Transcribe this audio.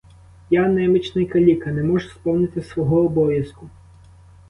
Я немічний каліка, не можу сповнити свого обов'язку.